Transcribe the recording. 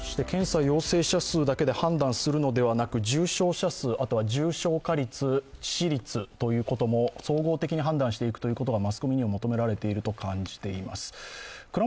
検査陽性者数だけで判断するのではなく重症化数、重症化率、致死率も総合的に判断していくことがマスコミには求められていると感じています。